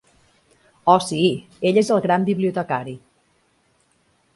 Oh, sí; ell és el gran bibliotecari.